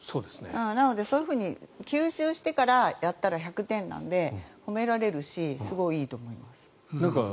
なので、そういうふうに吸収してからやったら１００点なので褒められるしすごいいいと思います。